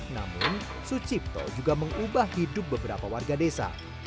namun sucipto juga mengubah hidup beberapa warga desa